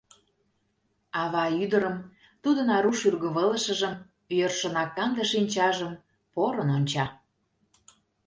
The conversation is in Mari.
Ава ӱдырым, тудын ару шӱргывылышыжым, йӧршынак канде шинчажым порын онча.